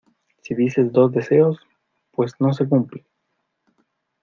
si dices dos deseos, pues no se cumplen.